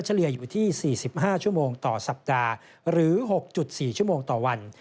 เลี่ยอยู่ที่๔๕ชั่วโมงต่อสัปดาห์หรือ๖๔ชั่วโมงต่อวัน